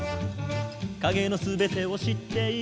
「影の全てを知っている」